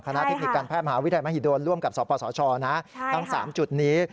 เทคนิคการแพทย์มหาวิทยาลมหิดลร่วมกับสปสชนะทั้ง๓จุดนี้